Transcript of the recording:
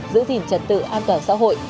giữ gìn trật tự an toàn xã hội